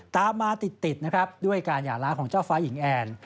ตามมาติดนะครับด้วยการหย่าล้าของเจ้าฟ้าหญิงแอน